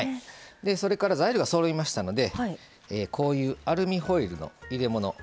それから材料がそろいましたのでアルミホイルの入れ物。